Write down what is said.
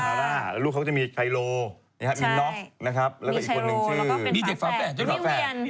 แล้วลูกเค้าจะมีชัยโลน็อกซ์นะครับแล้วก็อีกคนหนึ่งชื่อมีชัยโลแล้วก็เป็นฝากแฟด